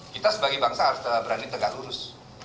kita sebagai bangsa harus berani tegak lurus